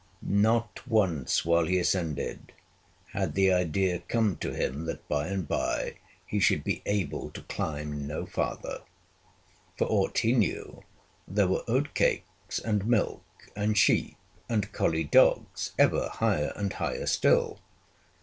Not once while he ascended had the idea come to him that by and by he should be able to climb no farther. For aught he knew there were oat cakes and milk and sheep and collie dogs ever higher and higher still.